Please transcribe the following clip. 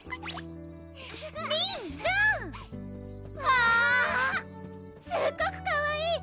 わぁすっごくかわいい！